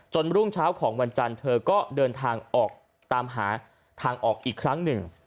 รุ่งเช้าของวันจันทร์เธอก็เดินทางออกตามหาทางออกอีกครั้งหนึ่ง